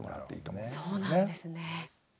そうなんですね。